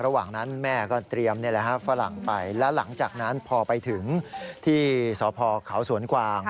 ระหว่างนั้นแม่ก็เตรียมฝรั่งไปแล้วหลังจากนั้นพอไปถึงที่สพเขาสวนกวาง